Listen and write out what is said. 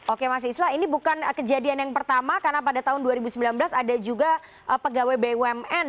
oke mas islah ini bukan kejadian yang pertama karena pada tahun dua ribu sembilan belas ada juga pegawai bumn